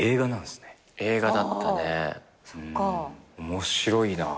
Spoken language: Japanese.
面白いな。